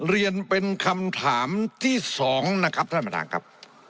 เรียนเป็นคำถามที่๒นะครับท่านประธานครับ